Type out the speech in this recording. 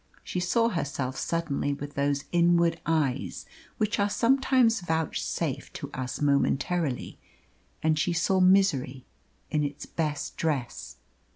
She saw herself suddenly with those inward eyes which are sometimes vouchsafed to us momentarily, and she saw Misery in its best dress.